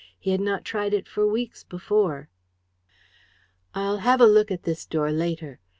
He had not tried it for weeks before." "I'll have a look at this door later.